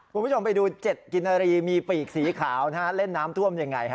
คุณผู้ชมไปดู๗กินนารีมีปีกสีขาวนะฮะเล่นน้ำท่วมยังไงฮะ